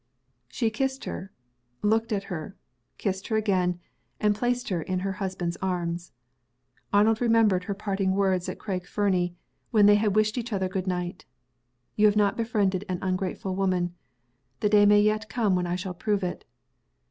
_" She kissed her looked at her kissed her again and placed her in her husband's arms. Arnold remembered her parting words at Craig Fernie, when they had wished each other good night. "You have not befriended an ungrateful woman. The day may yet come when I shall prove it."